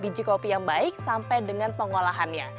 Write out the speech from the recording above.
biji kopi yang baik sampai dengan pengolahannya